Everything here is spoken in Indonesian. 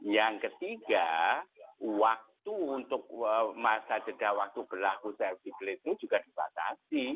yang ketiga waktu untuk masa jeda waktu berlaku self declare itu juga dibatalkan